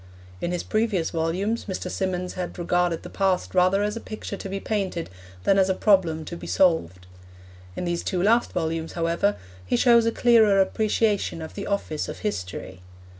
In his previous volumes Mr. Symonds had regarded the past rather as a picture to be painted than as a problem to be solved. In these two last volumes, however, he shows a clearer appreciation of the office of history.